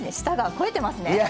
舌が肥えてますね。